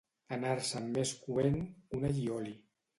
Anar-se'n més coent que un allioli.